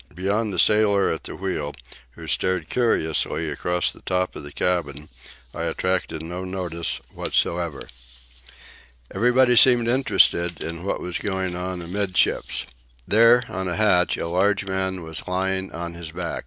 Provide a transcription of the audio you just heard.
Beyond a sailor at the wheel who stared curiously across the top of the cabin, I attracted no notice whatever. Everybody seemed interested in what was going on amid ships. There, on a hatch, a large man was lying on his back.